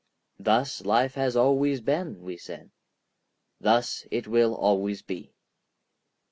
"Thus life has always been," we said; "thus it will always be."